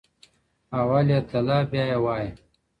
اول ئې تله، بيا ئې وايه.